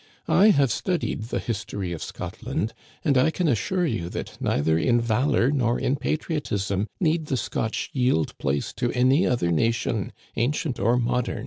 I have studied the his tory of Scotland, and I can assure you that neither in valor nor in patriotism need the Scotch yield place to any other nation, ancient or modem."